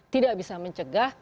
tidak bisa mencegah